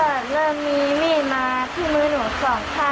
ตอนนั้นก็เริ่มมี่มี่ม้าที่มื้อนหนู๒ข้างนะครับ